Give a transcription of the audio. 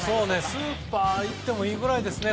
スーパーいってもいいくらい。